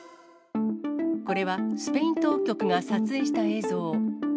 これはスペイン当局が撮影した映像。